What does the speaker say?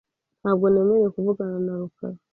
Ntabwo nemerewe kuvugana na rukara .